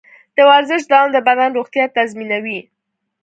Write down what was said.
د ورزش دوام د بدن روغتیا تضمینوي.